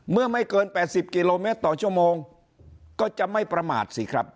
เมื่อไม่เกิน๘๐กิโลเมตรต่อชั่วโมงก็จะไม่ประมาทสิครับ